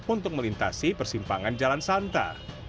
untuk melintasi persimpangan jalan santa